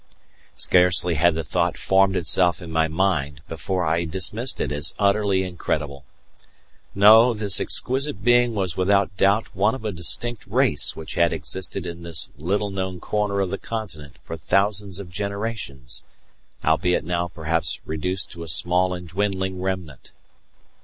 Scarcely had the thought formed itself in my mind before I dismissed it as utterly incredible. No, this exquisite being was without doubt one of a distinct race which had existed in this little known corner of the continent for thousands of generations, albeit now perhaps reduced to a small and dwindling remnant.